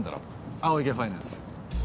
青池ファイナンス。